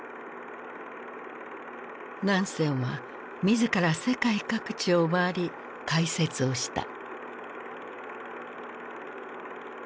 ナンセンは自ら世界各地を回り解説をした。